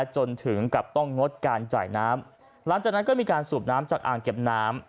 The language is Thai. จนถึงกับต้องงดการจ่ายน้ำหลังจากนั้นก็มีการสูบน้ำจากอ่างเก็บน้ำ